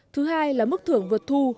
thứ hai là mức thưởng vượt thu